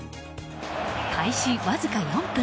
開始わずか４分。